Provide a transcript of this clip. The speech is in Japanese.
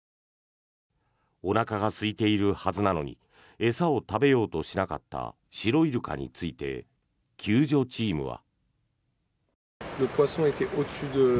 おなかがすいているはずなのに餌を食べようとしなかったシロイルカについて救助チームは。